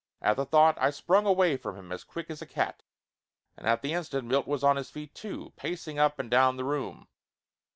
At the thought I sprung away from him as quick as a cat, and at the instant Milt was on his feet, too, pacing up and down the room.